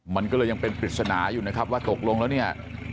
มันก็เลยยังเป็นปริศนาอยู่นะครับว่าตกลงแล้วเนี่ย